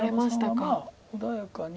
まあ穏やかに。